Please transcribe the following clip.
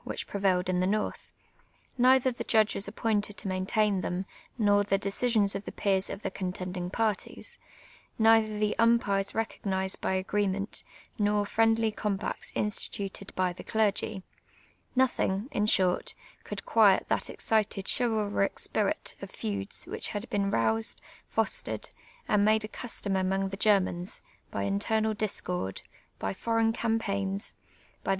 law, Avhicli prcvalli'd in tlic north, — noithor tlio jtul«;os ap pointed to inaintaiu them, nor the decisions of tlie pcerH of the contendinj^ ])arti('S, — neither the iim])ires recop^nised by aj^reenient, nor friendly eonn)aets instituted ])y the cder'^', — iiothiii*;, in short, could (|uiet that excited ehivalrie s])irit of feuds which had been roused, fostered, and made a custom amonij: the (Jennans, by internal discord, by forei<^n campaigns, by the